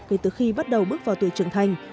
kể từ khi bắt đầu bước vào tuổi trưởng thành